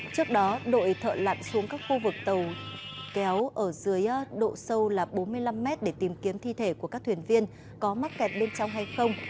trước đó đội thợ lặn xuống các khu vực tàu kéo ở dưới độ sâu là bốn mươi năm m để tìm kiếm thi thể của các thuyền viên có mắc kẹt bên trong hay không